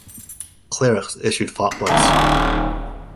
Clerics issued fatwas.